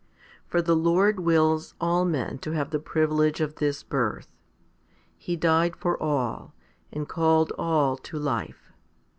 3. For the Lord wills all men to have the privilege of this birth. He died for all, and called all to life.